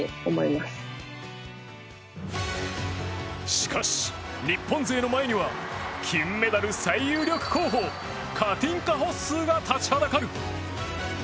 しかし、日本勢の前には金メダル最有力候補カティンカ・ホッスーが立ちはだかる。